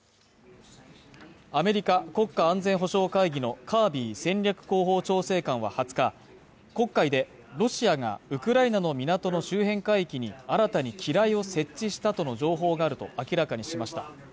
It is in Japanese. アメリカ国家安全保障会議のカービー戦略広報調整官は２０日黒海でロシアがウクライナの港の周辺海域に新たに機雷を設置したとの情報があると明らかにしました。